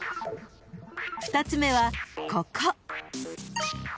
［２つ目はここ］